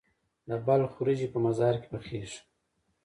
د بلخ وریجې په مزار کې پخیږي.